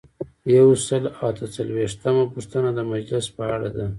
یو سل او اته څلویښتمه پوښتنه د مجلس په اړه ده.